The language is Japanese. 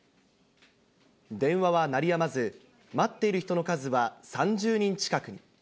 電話は鳴りやまず、待っている人の数は３０人近くに。